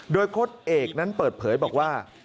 โดยโค้ดเอกนั้นเปิดเผยบอกว่า